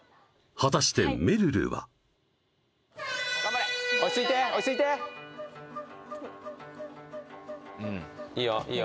果たしてめるるは頑張れ落ち着いて落ち着いていいよいいよ